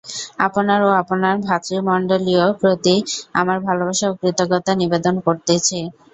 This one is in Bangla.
আপনার ও আপনার ভ্রাতৃমণ্ডলীর প্রতি আমার ভালবাসা ও কৃতজ্ঞতা নিবেদন করিতেছি।